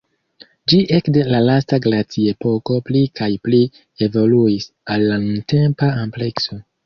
Ĝi ekde la lasta glaciepoko pli kaj pli evoluis al la nuntempa amplekso.